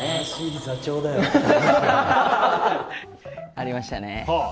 ありましたね。